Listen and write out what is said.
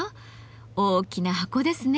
大きな箱ですね。